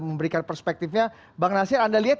memberikan perspektifnya bang nasir anda lihat